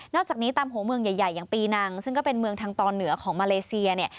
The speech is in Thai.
อกจากนี้ตามหัวเมืองใหญ่อย่างปีนังซึ่งก็เป็นเมืองทางตอนเหนือของมาเลเซียเนี่ย